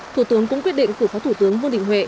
thủ tướng cũng quyết định cử phó thủ tướng vương đình huệ